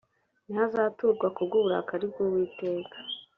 ntihazaturwa ku bw uburakari bw uwiteka